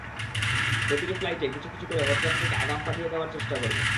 প্রতিটি ফ্লাইটে কিছু কিছু করে হজযাত্রীকে আগাম পাঠিয়ে দেওয়ার চেষ্টা করব।